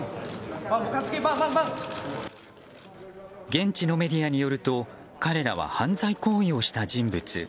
現地のメディアによると彼らは犯罪行為をした人物。